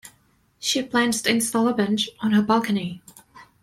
She plans to install a bench on her balcony.